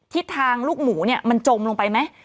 ทิศทางลูกหมูเนี่ยมันจมลงไปไหม